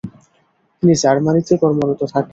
তিনি জার্মানিতে কর্মরত থাকেন।